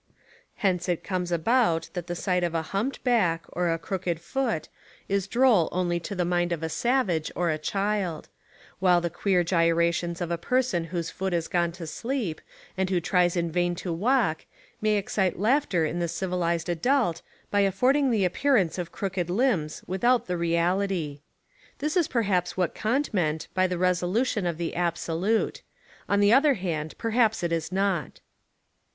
Hence It comes about that the sight of a humped back, or a crooked foot. Is droll only to the mind of a savage or a child; while the queer gyrations of a person whose foot has gone to sleep, and who tries In vain to walk, may excite laughter in the civilised adult no A merica ri Hu mo a r by affording the appearance of crooked limbs without the reality. This is perhaps what Kant meant by the resolution of the absolute. On the other hand, perhaps it is not.